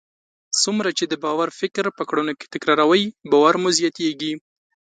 څومره چې د باور فکر په کړنو کې تکراروئ، باور مو زیاتیږي.